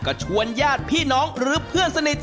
ก็ชวนญาติพี่น้องหรือเพื่อนสนิท